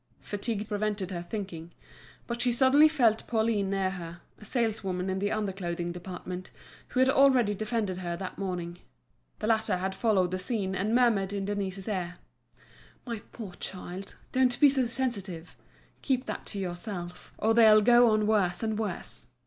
Fatigue prevented her thinking. But she suddenly felt Pauline near her, a saleswoman in the under clothing department, who had already defended her that morning. The latter had followed the scene, and murmured in Denise's ear: "My poor child, don't be so sensitive. Keep that to yourself, or they'll go on worse and worse.